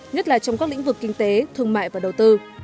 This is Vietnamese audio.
nhất là trong các lĩnh vực kinh tế thương mại và đầu tư